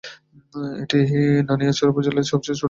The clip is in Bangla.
এটি নানিয়ারচর উপজেলার সবচেয়ে ছোট ইউনিয়ন।